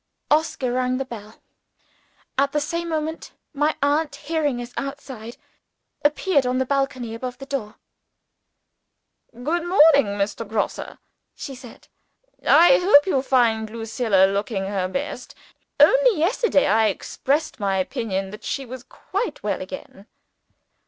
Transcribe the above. Oscar rang the bell. At the same moment my aunt, hearing us outside, appeared on the balcony above the door. "Good morning, Mr. Grosse," she said. "I hope you find Lucilla looking her best. Only yesterday, I expressed my opinion that she was quite well again."